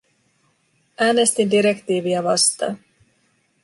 Äänestin direktiiviä vastaan.